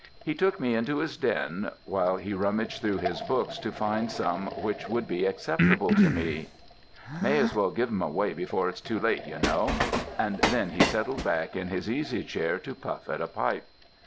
He took me into his den while he rummaged through his books to find some which would be acceptable to me—'May as well give 'em away before it's too late, ye know'—and then he settled back in his easy chair to puff at a pipe.